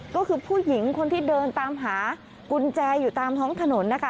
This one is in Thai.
ก็คือผู้หญิงคนที่เดินตามหากุญแจอยู่ตามท้องถนนนะคะ